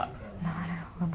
なるほど。